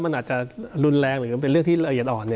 มันอาจจะรุนแรงหรือเป็นเรื่องที่ละเอียดอ่อน